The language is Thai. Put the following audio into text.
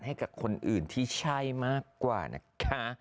ลงให้คนอื่นที่ใช้อำนาจก้าว